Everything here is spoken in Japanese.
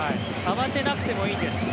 慌てなくてもいいです。